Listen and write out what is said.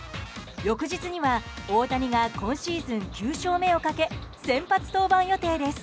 翌日には大谷が今シーズン９勝目をかけ先発登板予定です。